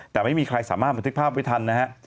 แต่ไม่มีใครสามารถบันทึกภาพไว้ทันนะฮะ